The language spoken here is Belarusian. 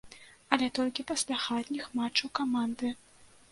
Але толькі пасля хатніх матчаў каманды.